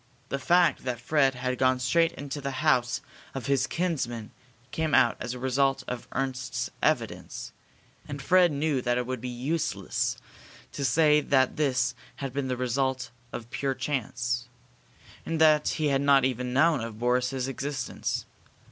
The fact that Fred had gone straight to the house of his kinsman came out as a result of Ernst's evidence, and Fred knew that it would be useless to say that this had been the result of pure chance, and that he had not even known of Boris's existence.